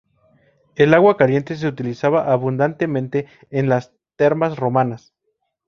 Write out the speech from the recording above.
El agua caliente se utilizaba abundantemente en las termas romanas.